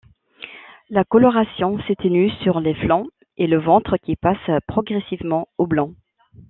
La coloration s'atténue sur les flancs et le ventre qui passent progressivement au blanc.